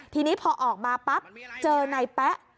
ทีนี้พอออกมาปั๊บเจอนายแป๊ะ